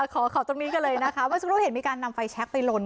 ขอตรงนี้กันเลยนะคะเมื่อสักครู่เห็นมีการนำไฟแชคไปลน